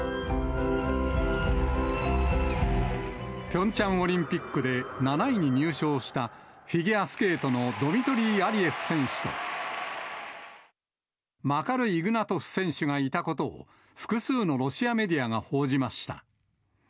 ピョンチャンオリンピックで７位に入賞した、フィギュアスケートのドミトリー・アリエフ選手と、マカル・イグナトフ選手がいたことを、複数のロシアメディアが報じました。